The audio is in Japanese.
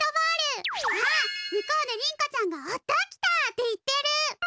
あっ向こうでりん子ちゃんが「あったーきた！」って言ってる！